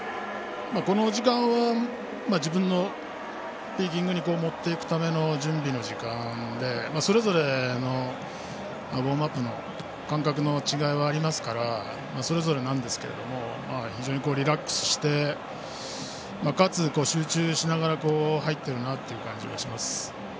この時間は自分のピーキングに持っていくための準備の時間でそれぞれのウォームアップの感覚の違いはありますからそれぞれなんですが非常にリラックスして集中しながら入っている感じがします。